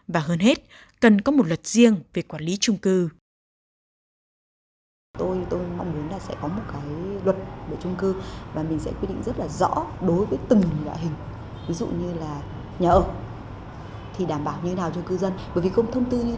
và hơn hết cần có một luật riêng về quản lý trung cư